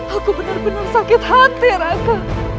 aku benar benar sakit hati rasa